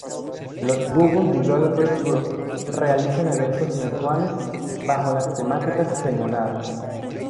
Los Google Developers Group realizan eventos mensuales bajo las temáticas señaladas.